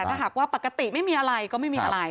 ถ้าหากว่าปกติไม่มีอะไรก็ไม่มีอะไร